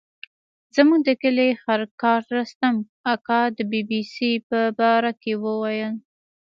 زموږ د کلي خرکار رستم اکا د بي بي سي په باره کې ویل.